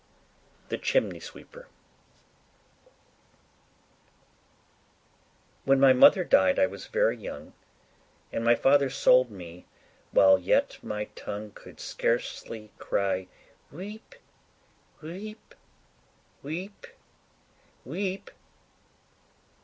THE CHIMNEY SWEEPER When my mother died I was very young, And my father sold me while yet my tongue Could scarcely cry 'Weep! weep! weep! weep!